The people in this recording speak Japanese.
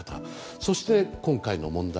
そして、今回の問題。